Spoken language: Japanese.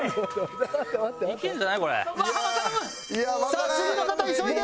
さあ次の方急いで！